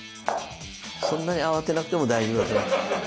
そんなに慌てなくても大丈夫だと思います。